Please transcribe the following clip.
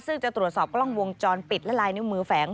ซึ่งจะตรวจสอบกล้องวงจรปิดและลายนิ้วมือแฝง